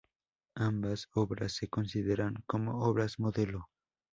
Ambas obras se consideran como obras modelos.